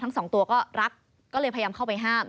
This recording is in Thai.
ทั้งสองตัวก็รักก็เลยพยายามเข้าไปห้าม